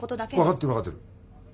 分かってる分かってる。